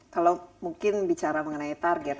kalau mungkin bicara mengenai target